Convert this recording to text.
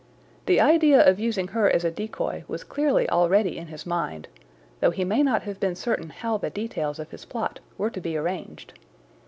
The idea of using her as a decoy was clearly already in his mind, though he may not have been certain how the details of his plot were to be arranged.